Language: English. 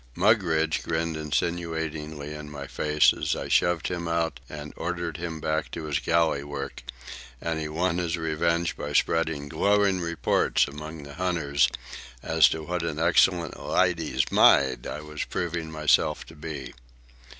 Mugridge grinned insinuatingly in my face as I shoved him out and ordered him back to his galley work; and he won his revenge by spreading glowing reports among the hunters as to what an excellent "lydy's myde" I was proving myself to be.